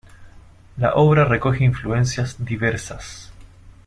La obra recoge influencias diversas.